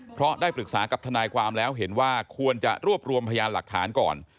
เพราะได้ปรึกษากับทนายความแล้วเห็นว่าควรจะรวบรวมพยานหลักฐานก่อน